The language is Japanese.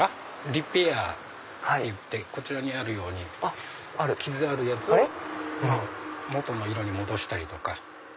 リペアっていってこちらにあるように傷あるやつを元の色に戻したりとか。